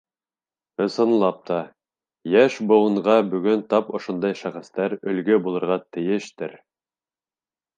Ысынлап та, йәш быуынға бөгөн тап ошондай шәхестәр өлгө булырға тейештер.